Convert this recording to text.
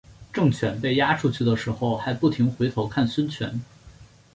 郑泉被押出去的时候还不停回头看孙权。